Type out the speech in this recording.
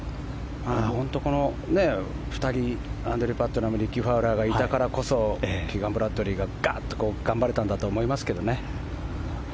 この２人アンドルー・パットナムとリッキー・ファウラーがいたからこそキーガン・ブラッドリーがガッと頑張れたんだと思いますけどね。